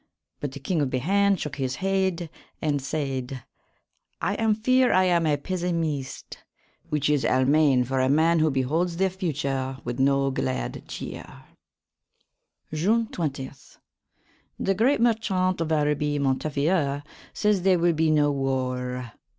But the King of Behayne shook his heade and sayd: "I am feare I am a pesymyste," which is Almayne for a man who beholds the future with no gladde chere. June 20. The great merchaunt of Araby, Montefior, says there will be no warre.